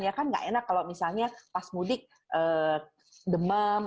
ya kan nggak enak kalau misalnya pas mudik demam